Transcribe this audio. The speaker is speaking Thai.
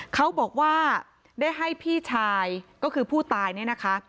เขาบอกว่าได้ให้พี่ชายก็คือผู้ตายเนี่ยนะคะ